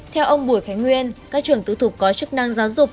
theo ông bùi khánh nguyên các trường tư thục có chức năng giáo dục